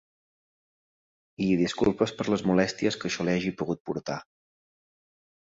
I disculpes per les molèsties que això li hagi pogut portar.